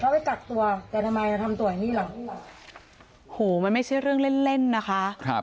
เขาไปกักตัวแต่ทำไมจะทำตัวอย่างนี้ล่ะโหมันไม่ใช่เรื่องเล่นเล่นนะคะครับ